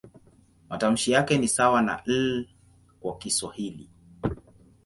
Matamshi yake ni sawa na "L" kwa Kiswahili.